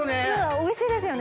おいしいですよね。